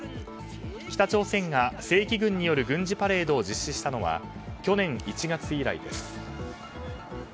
北朝鮮が正規軍による軍事パレードを実施したのは去年１月以来です。